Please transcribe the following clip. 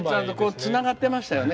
つながっていましたよね